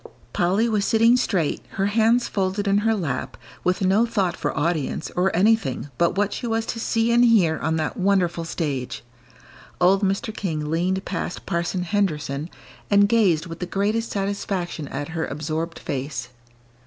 Polly was sitting straight, her hands folded in her lap, with no thought for audience, or anything but what she was to see and hear on that wonderful stage. Old Mr. King leaned past Parson Henderson, and gazed with the greatest satisfaction at her absorbed face.